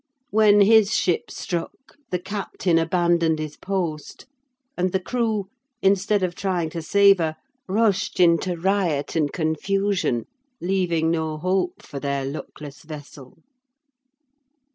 When his ship struck, the captain abandoned his post; and the crew, instead of trying to save her, rushed into riot and confusion, leaving no hope for their luckless vessel.